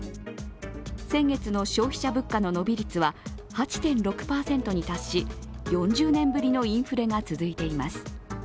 先月の消費者物価の伸び率は８．６％に達し４０年ぶりのインフレが続いています。